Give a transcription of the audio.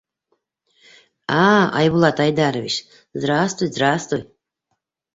— А, Айбулат Айдарович, здравствуй, здравствуй.